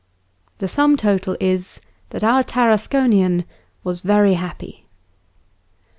The sum total is, that our Tarasconian was very happy.